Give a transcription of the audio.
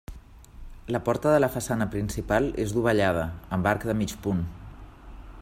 La porta de la façana principal és dovellada, amb arc de mig punt.